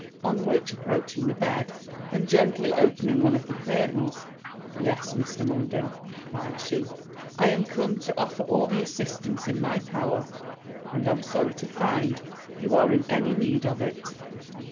On which, approaching the bed, and gently opening one of the curtains, 'Yes, Mr. Munden,' replied she; 'I am come to offer all the assistance in my power; and am sorry to find you are in any need of it.'